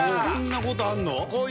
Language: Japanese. そんな事あんの？